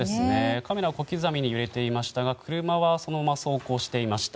カメラが小刻みに揺れていましたが車はそのまま走行していました。